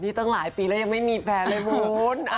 นี่ตั้งหลายปีแล้วยังไม่มีแฟนเลยคุณ